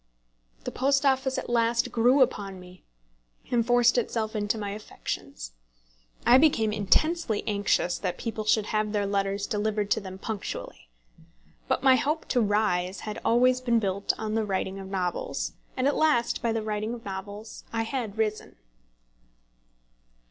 The Post Office at last grew upon me and forced itself into my affections. I became intensely anxious that people should have their letters delivered to them punctually. But my hope to rise had always been built on the writing of novels, and at last by the writing of novels I had risen.